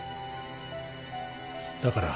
だから。